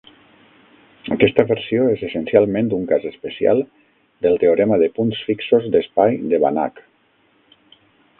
Aquesta versió és essencialment un cas especial del teorema de punts fixos d'espai de Banach.